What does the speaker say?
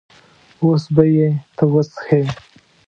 اوس به یې ته وڅښې.